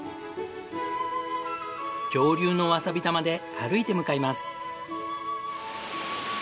上流のわさび田まで歩いて向かいます。